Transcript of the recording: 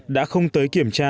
đã không tới kiểm tra